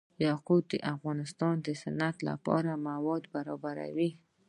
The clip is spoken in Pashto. یاقوت د افغانستان د صنعت لپاره مواد برابروي.